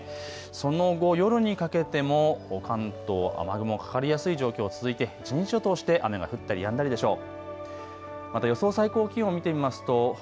その後、夜にかけても関東雨雲かかりやすい状況続いて一日を通してとして雨が降ったりやんだりでしょう。